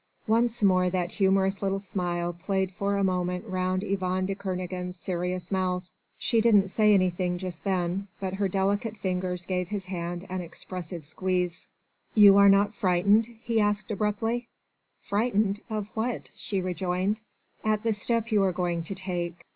Once more that humorous little smile played for a moment round Yvonne de Kernogan's serious mouth. She didn't say anything just then, but her delicate fingers gave his hand an expressive squeeze. "You are not frightened?" he asked abruptly. "Frightened? Of what?" she rejoined. "At the step you are going to take?"